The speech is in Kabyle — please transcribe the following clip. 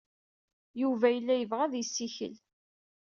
Yuba yella yebɣa ad yessikel.